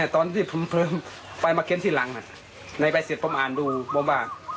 ตอนที่ผมเพลิงไปมาเค้นที่หลังในไปเสร็จผมอ่านดูบอกว่า